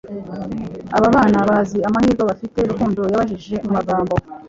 Aba bana bazi amahirwe bafite?" Rukundo yabajije mu magambo